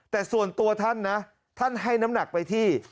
แต่ส่วนตัวท่านนะท่านให้น้ำหนักไปที่